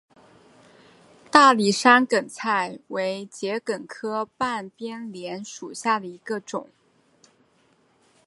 大理山梗菜为桔梗科半边莲属下的一个种。